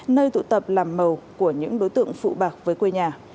nơi tụ tập làm màu của những đối tượng phụ bạc với quê nhà